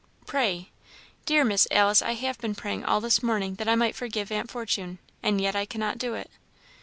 "Pray." "Dear Miss Alice, I have been praying all this morning that I might forgive Aunt Fortune, and yet I cannot do it."